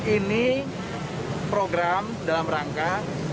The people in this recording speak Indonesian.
ini program dalam rangka